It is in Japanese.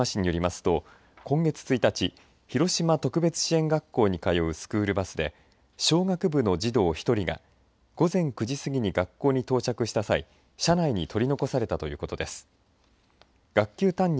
広島市によりますと今月１日広島特別支援学校に通うスクールバスで小学部の児童１人が午前９時過ぎに学校に到着した際車内に取り残されたということです。